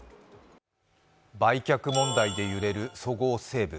売却問題で揺れるそごう・西武。